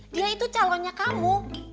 dia itu calonnya kamu